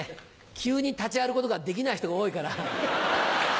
急に立ち上がることができない人が多いから。